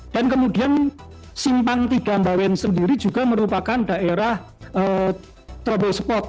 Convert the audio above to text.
dan kemudian simpang tiga bawen sendiri juga merupakan daerah trouble spot